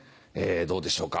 どうでしょうか？